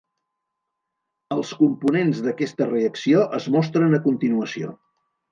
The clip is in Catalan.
Els components d'aquesta reacció es mostren a continuació.